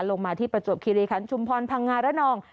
ลงมาที่ประจวบคิริคันชุมพรพังงาระนอง